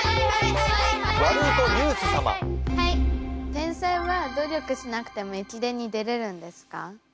天才は努力しなくても駅伝に出れるんですか？